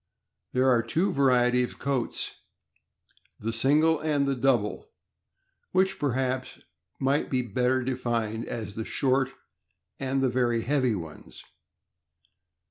There are two varieties of coats, the single and double, which perhaps might be better denned as the short and the very heavy ones.